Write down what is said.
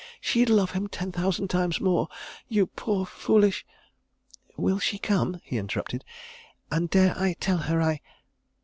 "She'd love him ten thousand times more—you poor, foolish ..." "Will she come?" he interrupted. "And dare I tell her I